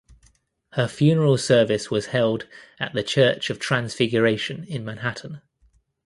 Her funeral service was held at the Church of Transfiguration in Manhattan.